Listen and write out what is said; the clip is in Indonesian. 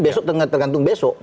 besok tergantung besok